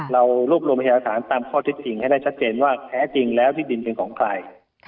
เรารวบรวมพยาฐานตามข้อเท็จจริงให้ได้ชัดเจนว่าแท้จริงแล้วที่ดินเป็นของใคร